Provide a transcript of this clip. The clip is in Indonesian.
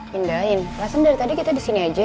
pindahin alasan dari tadi kita disini aja